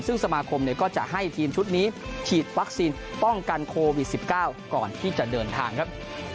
ซึ่งสมาคมก็จะให้ทีมชุดนี้ฉีดวัคซีนป้องกันโควิด๑๙ก่อนที่จะเดินทางครับ